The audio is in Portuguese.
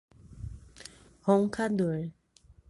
Roncador